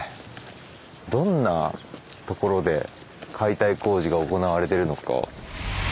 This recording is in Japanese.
どんな所で解体工事が行われてるのか。